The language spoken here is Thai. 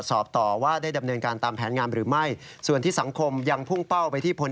ส่วนที่สังคมยังพุ่งเป้าไปที่